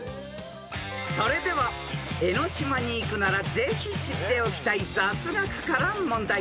［それでは江の島に行くならぜひ知っておきたい雑学から問題］